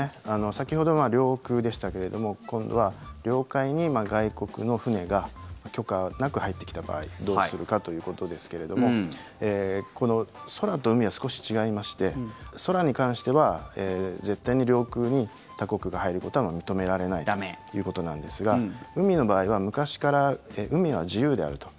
先ほどは領空でしたけれども今度は領海に外国の船が許可なく入ってきた場合どうするかということですけども空と海は少し違いまして空に関しては絶対に領空に他国が入ることは認められないということなんですが海の場合は昔から、海は自由であると。